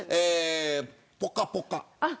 ぽかぽか。